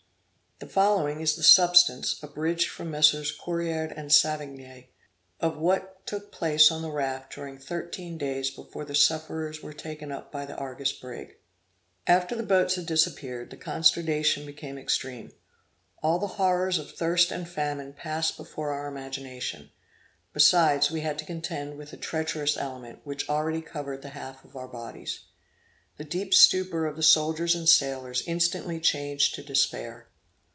The following is the substance, abridged from MM. Correard and Savigny, of what took place on the raft during thirteen days before the sufferers were taken up by the Argus Brig. After the boats had disappeared, the consternation became extreme. All the horrors of thirst and famine passed before our imagination; besides, we had to contend with a treacherous element, which already covered the half of our bodies. The deep stupor of the soldiers and sailors instantly changed to despair.